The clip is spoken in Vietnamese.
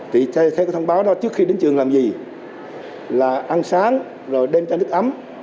thì theo thông báo đó trước khi đến trường làm gì là ăn sáng rồi đem chai nước ấm